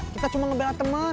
kita cuma ngebelah temen